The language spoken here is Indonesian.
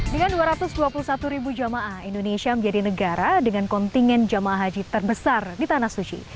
dengan dua ratus dua puluh satu ribu jamaah indonesia menjadi negara dengan kontingen jamaah haji terbesar di tanah suci